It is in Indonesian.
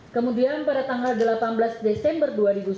kemudian pada tanggal delapan belas desember dua ribu sembilan belas